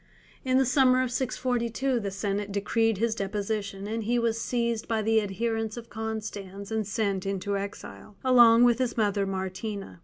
In the summer of 642 the senate decreed his deposition, and he was seized by the adherents of Constans and sent into exile, along with his mother Martina.